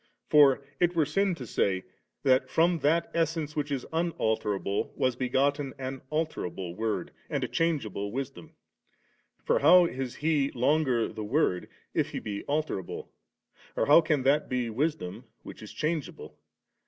For it were sin to say that from that essence which is unalterable was be gotten an alterable word and a changeable wisdom. For how is He longer the Word, if He be alterable? or can that be Wisdom which is changeable